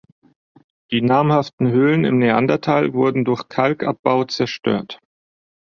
Die namhaften Höhlen im Neandertal wurden durch Kalkabbau zerstört.